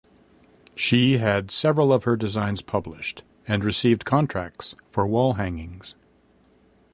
She had several of her designs published and received contracts for wall hangings.